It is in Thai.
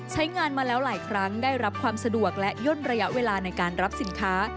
ใช้งานมาแล้วหลายครั้งได้รับความสะดวกและย่นระยะเวลาในการรับสินค้า